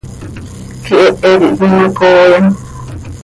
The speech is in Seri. Quihehe quih cöimacooyam.